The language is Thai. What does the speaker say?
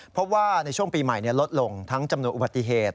เพราะว่าในช่วงปีใหม่ลดลงทั้งจำนวนอุบัติเหตุ